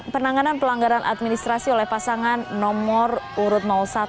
penanganan pelanggaran administrasi oleh pasangan nomor urut satu